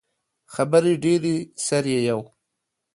خبرې ډیرې سر يې یو.